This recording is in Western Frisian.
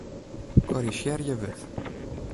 Korrizjearje wurd.